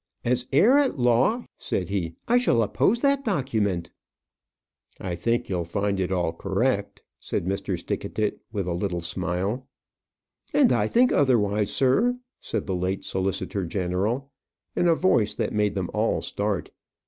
"As heir at law," said he, "I shall oppose that document." "I think you'll find it all correct," said Mr. Stickatit, with a little smile. "And I think otherwise, sir," said the late solicitor general, in a voice that made them all start.